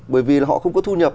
bởi vì là họ không có thu nhập